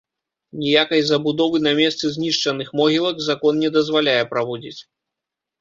Ніякай забудовы на месцы знішчаных могілак закон не дазваляе праводзіць.